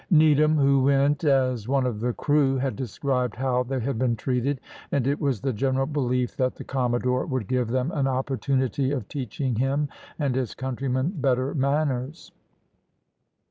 Needham, who went as one of the crew, had described how they had been treated; and it was the general belief that the commodore would give them an opportunity of teaching him and his countrymen better manners.